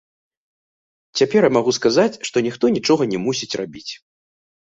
Цяпер я магу сказаць, што ніхто нічога не мусіць рабіць.